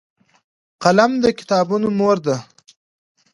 قلم د کتابونو مور دی